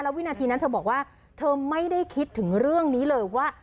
วินาทีนั้นเธอบอกว่าเธอไม่ได้คิดถึงเรื่องนี้เลยว่า